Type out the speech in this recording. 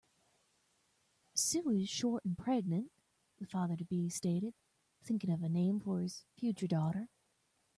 "Sue is short and pregnant", the father-to-be stated, thinking of a name for his future daughter.